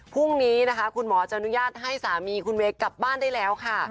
พรุ่งนี้นะคะคุณหมอจะอนุญาตให้สามีคุณเวย์กลับบ้านได้แล้วค่ะ